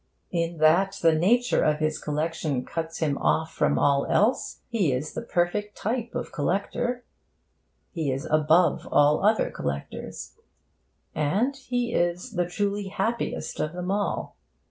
In that the nature of his collection cuts him off from all else, he is the perfect type of the collector. He is above all other collectors. And he is the truly happiest of them all.